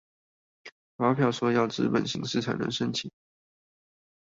發票說要紙本形式才能申請